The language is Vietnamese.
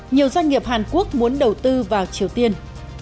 nhiều doanh nghiệp hàn quốc muốn đầu tư vào triều tiên